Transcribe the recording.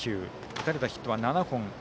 打たれたヒットは７本。